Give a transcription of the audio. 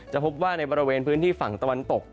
พบว่าในบริเวณพื้นที่ฝั่งตะวันตก